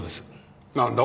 なんだ？